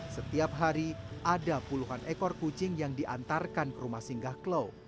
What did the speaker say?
setiap hari ada puluhan ekor kucing yang diantarkan ke rumah singgah klau